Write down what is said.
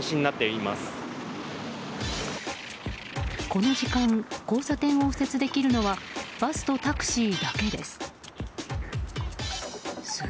この時間交差点を右折できるのはバスとタクシーだけです。